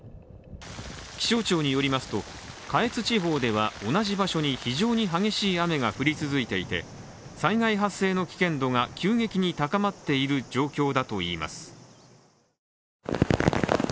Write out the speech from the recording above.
気象庁によりますと、下越地方では同じ場所に非常に激しい雨が降り続いていて、災害発生の危険度が急激に高まっている状況だといいます。